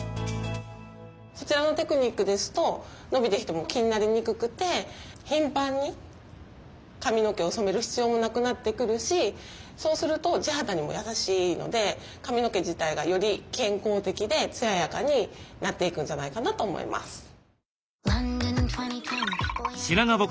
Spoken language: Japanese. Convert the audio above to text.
そちらのテクニックですと伸びてきても気になりにくくて頻繁に髪の毛を染める必要もなくなってくるしそうすると地肌にも優しいので髪の毛自体がより健康的で艶やかになっていくんじゃないかなと思います。